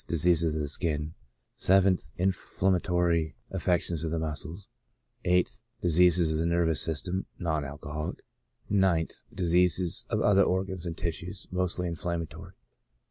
Diseases of the skin, yth. Inflammatory affections of the muscles. 8th. Diseases of the nervous system (non alcoholic). 9th. Diseases of other organs and tissues, mostly inflam matory.